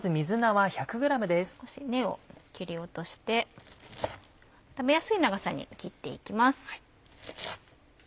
少し根を切り落として食べやすい長さに切っていきます。